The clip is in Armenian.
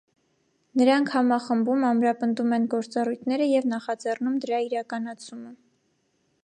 Նրանք համախմբում, ամրապնդում են գործառույթները և նախաձեռնում դրա իրականացումը։